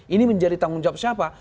ini menjadi tanggung jawab siapa